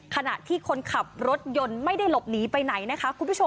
ฯขณะที่คนขับรถยนต์ไม่ได้หลบหนีไปไหนนะคะ